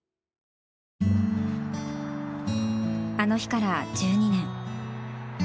あの日から１２年。